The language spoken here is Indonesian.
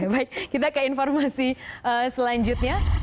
baik kita ke informasi selanjutnya